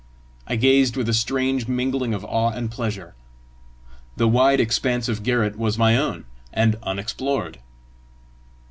I gazed with a strange mingling of awe and pleasure: the wide expanse of garret was my own, and unexplored!